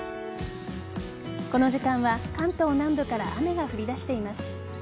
この時間は関東南部から雨が降り出しています。